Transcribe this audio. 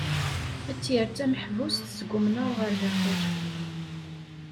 Ad tt-yerr d tameḥbust seg umnar ɣer daxel.